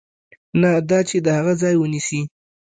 نه دا چې د هغه ځای ونیسي.